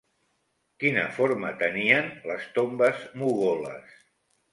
Quina forma tenien les tombes mogoles?